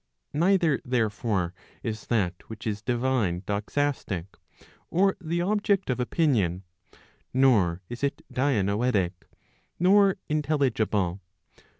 Neither, therefore, is that which is divine doxastic, or the object of opinion, nor is it dianoetic, nor intelli¬ gible.